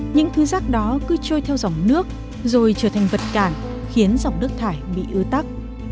những thứ rác đó cứ trôi theo dòng nước rồi trở thành vật cản khiến dòng nước thải bị ưa tắc